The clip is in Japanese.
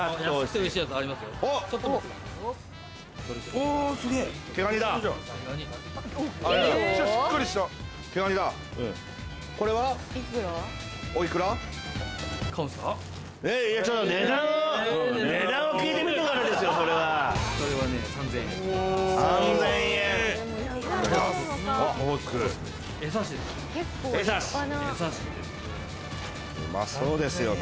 うまそうですよね。